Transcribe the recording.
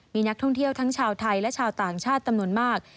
มีนักท่องเที่ยวทั้งชาวไทยและชาวต่างชาติจำนวนมาก